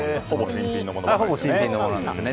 ほぼ新品のものですね。